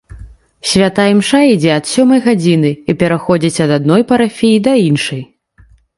Святая імша ідзе ад сёмай гадзіны і пераходзіць ад адной парафіі да іншай.